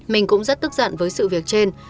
mình cũng rất tức giận với sự việc trên